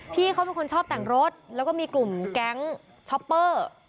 พี่เขาเป็นคนชอบแต่งรถแล้วก็มีกลุ่มแก๊งช็อปเปอร์